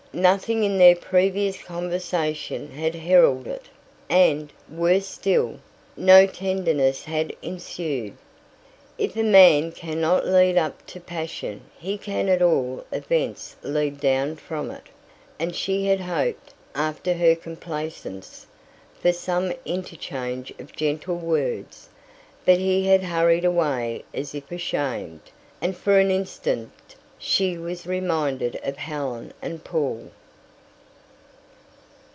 Nothing in their previous conversation had heralded it, and, worse still, no tenderness had ensued. If a man cannot lead up to passion he can at all events lead down from it, and she had hoped, after her complaisance, for some interchange of gentle words. But he had hurried away as if ashamed, and for an instant she was reminded of Helen and Paul.